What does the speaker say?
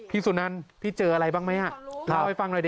สุนันพี่เจออะไรบ้างไหมเล่าให้ฟังหน่อยดิ